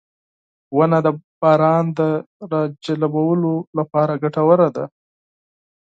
• ونه د باران راجلبولو لپاره ګټوره ده.